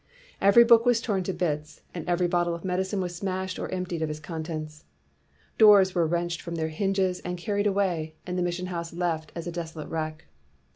''Every book was torn to bits," and every bottle of medicine was smashed or emptied of its contents. Doors were wrenched from their hinges and carried away, and the mis sion house left a desolate wreck.